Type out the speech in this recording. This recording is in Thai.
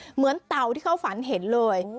เต่าที่เขาฝันเห็นเลย